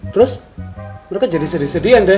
terus mereka jadi sedih sedihan deh